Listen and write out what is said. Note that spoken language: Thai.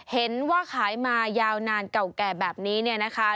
เห็นว่าขายมายาวนานเก่าแก่แบบนี้เนี่ยนะคะ